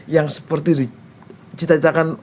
yang seperti dicita citakan